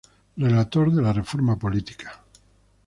Relator de la reforma política.